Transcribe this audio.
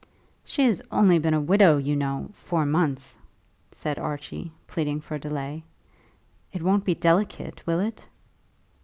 "She has only been a widow, you know, four months," said Archie, pleading for delay. "It won't be delicate, will it?"